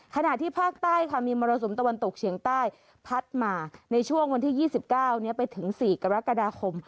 ขณะที่ภาคใต้ค่ะมีมรสุมตะวันตกเฉียงใต้พัดมาในช่วงวันที่๒๙ไปถึง๔กรกฎาคม